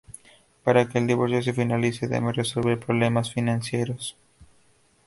Para que el divorcio se finalice deben resolver problemas financieros.